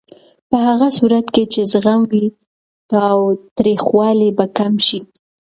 په هغه صورت کې چې زغم وي، تاوتریخوالی به کم شي.